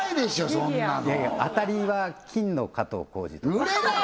そんなのいやいや当たりは金の加藤浩次とか売れない